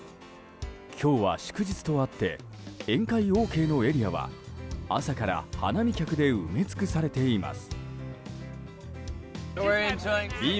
今日は祝日とあって宴会ＯＫのエリアは朝から花見客で埋め尽くされています。